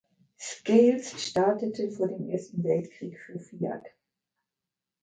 Scales startete vor dem Ersten Weltkrieg für Fiat.